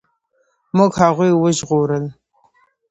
موږ هغوی وژغورل.